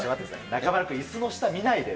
中丸君、いすの下見ないで。